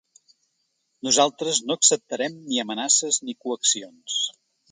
Nosaltres no acceptarem ni amenaces ni coaccions.